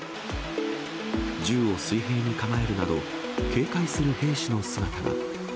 銃を水平に構えるなど、警戒する兵士の姿が。